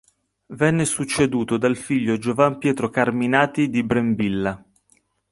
Venne succeduto dal figlio Giovan Pietro Carminati di Brembilla.